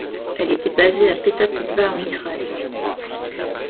Elle était basée à Petah Tikva en Israël.